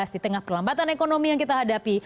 di tengah perlambatan ekonomi yang kita hadapi